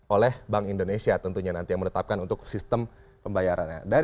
oleh bank indonesia tentunya nanti yang menetapkan untuk sistem pembayarannya